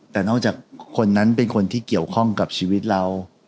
แต่นอกจากคนนั้นเป็นคนที่เกี่ยวข้องกับชีวิตเรา